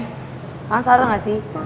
kalian salah gak sih